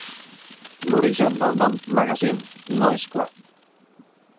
L'origen del nom "magazine" no és clar.